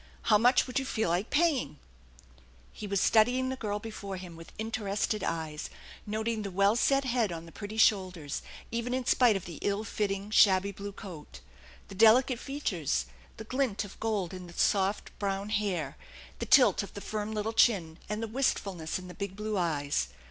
How much would you feel like paying ?" He was studying the girl before him with interested eyes; noting the well set head on the pretty shoulders, even in spite of the ill fitting shabby blue coat; the delicate features; the glint of gold in the soft brown hair; the tilt of the firm little chin, and the wistfulness in the big blue eyes.